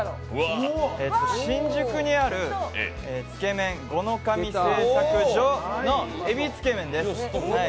新宿にある、つけ麺五ノ神製作所の海老つけめんです。